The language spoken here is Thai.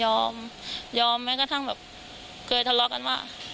ยอมยอมแม้กระทั่งแบบเคยทะเลาะกันว่า